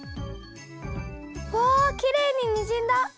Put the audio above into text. うわきれいににじんだ！